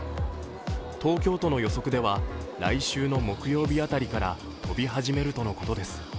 東京都の予測では来週の木曜日辺りから飛び始めるとのことです。